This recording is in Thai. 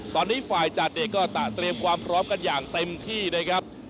ตอนนี้ฝ่ายจัดเนี่ยก็เตรียมความพร้อมกันอย่างเต็มที่นะครับ